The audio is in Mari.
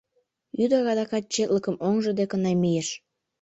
Ӱдыр адакат четлыкым оҥжо деке намийыш.